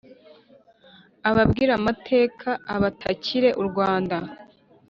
Ababwire amateka, abatakire u Rwanda